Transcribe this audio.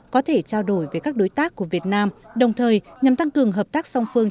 có thể trao đổi với các đối tác của việt nam đồng thời nhằm tăng cường hợp tác song phương